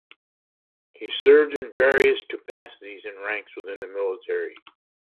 He served in various capacities and ranks within the military.